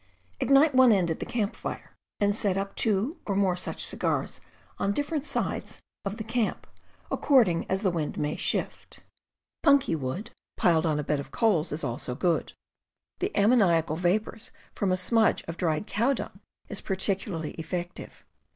Ignite one end at the camp fire, and set up two or more such cigars on different sides of 176 CAMPING AND WOODCRAFT the camp, according as the wind may shift. Pimky wood piled on a bed of coals is also good. The am moniacal vapors from a smudge of dried cow dung is particularly effective.